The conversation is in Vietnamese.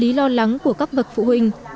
tuy nhiên là tâm lý lo lắng của các bậc phụ huynh